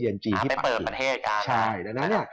เพื่อเพิ่มประเทศการ